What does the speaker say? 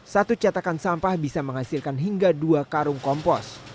satu cetakan sampah bisa menghasilkan hingga dua karung kompos